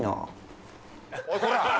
おいこら！